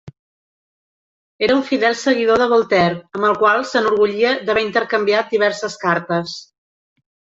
Era un fidel seguidor de Voltaire, amb el qual s'enorgullia d'haver intercanviat diverses cartes.